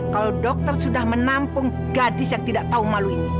kalau dokter sudah menampung gadis yang tidak tahu malu ini